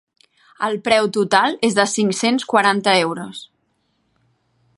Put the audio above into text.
El preu total és de cinc-cents quaranta euros.